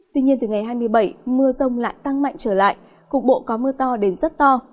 tuy nhiên từ ngày hai mươi bảy mưa rông lại tăng mạnh trở lại cục bộ có mưa to đến rất to